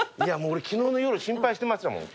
俺昨日の夜心配してましたもん。